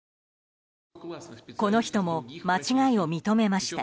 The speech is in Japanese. この人も間違いを認めました。